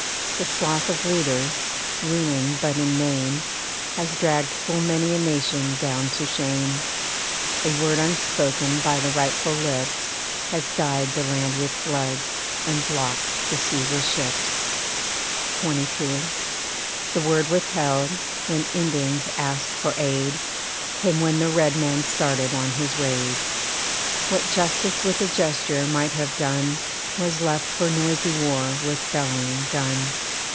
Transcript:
The sloth of leaders, ruling but in name, Has dragged full many a nation down to shame. A word unspoken by the rightful lips Has dyed the land with blood, and blocked the sea with ships. XXII. The word withheld, when Indians asked for aid, Came when the red man started on his raid. What Justice with a gesture might have done Was left for noisy war with bellowing gun.